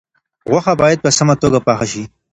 غوښه باید په سمه توګه پاخه شي.